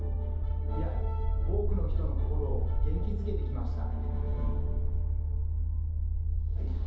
以来、多くの人の心を元気づけてきました。